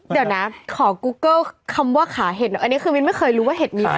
เดี๋ยวนะขอกุ๊กเกิ้ลคำว่าขาเห็ดหน่อยอันนี้คือมิ้นไม่เคยรู้ว่าเห็ดมีใคร